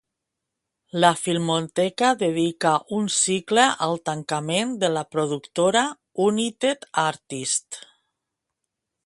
La Filmoteca dedica un cicle al tancament de la productora United Artists.